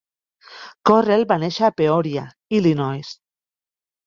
Correll va néixer a Peoria, Illinois.